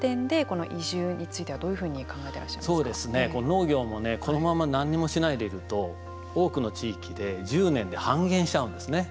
農業もねこのまんま何にもしないでいると多くの地域で１０年で半減しちゃうんですね。